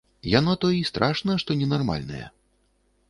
Яно то і страшна, што нармальныя.